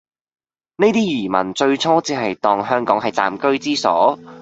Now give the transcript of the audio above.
呢啲移民最初只係當香港係暫居之所